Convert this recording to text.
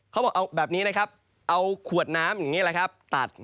เขาบอกเอาแบบนี้นะครับเอาขวดน้ำอย่างนี้แหละครับตัด